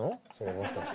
もしかして。